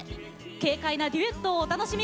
軽快なデュエットをお楽しみください。